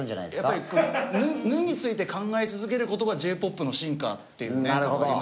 やっぱり「ぬ」について考え続ける事がＪ−ＰＯＰの進化っていうありますからね。